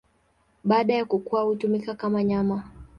Baada ya kukua hutumika kama nyama.